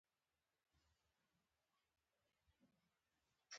پیاز له کارولو وروسته لاسونه وینځل کېږي